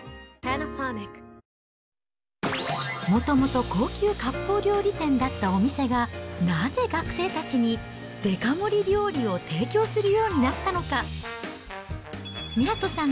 もともと高級割烹料理店だったお店が、なぜ学生たちにデカ盛り料理を提供するようになったのか。